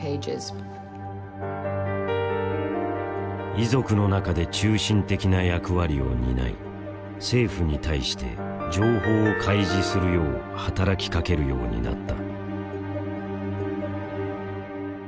遺族の中で中心的な役割を担い政府に対して情報を開示するよう働きかけるようになった。